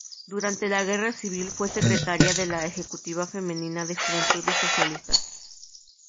Durante la guerra civil fue secretaria de la ejecutiva femenina de Juventudes Socialistas.